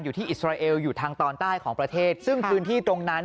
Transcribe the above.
อิสราเอลอยู่ทางตอนใต้ของประเทศซึ่งพื้นที่ตรงนั้น